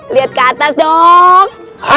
lihat ke atas dong